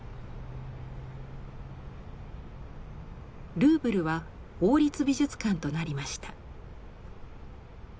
ルーブルは「王立美術館」となりました。